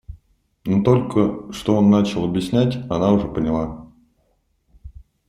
Но только что он начал объяснять, она уже поняла.